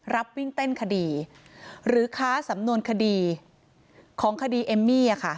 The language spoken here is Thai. วิ่งเต้นคดีหรือค้าสำนวนคดีของคดีเอมมี่